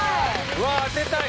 うわ当てたい。